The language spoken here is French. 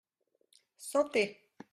Santé !